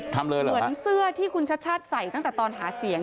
เหมือนเสื้อที่คุณชัดใส่ตั้งแต่ตอนหาเสียง